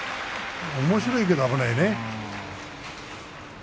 おもしろいけど危ないね。